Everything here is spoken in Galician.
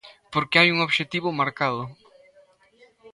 Porque hai un obxectivo marcado.